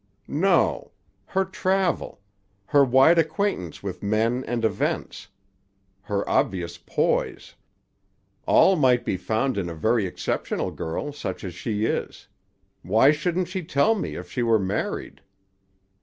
"No. Her travel. Her wide acquaintance with men and events. Her obvious poise." "All might be found in a very exceptional girl, such as she is. Why shouldn't she tell me, if she were married?"